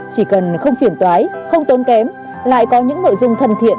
chỉ cần không phiền toái không tốn kém lại có những nội dung thân thiện